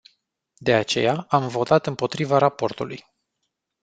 De aceea, am votat împotriva raportului.